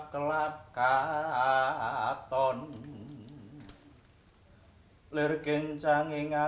sekali lagi virtueku berkata pada ketakutan rijesang dirinya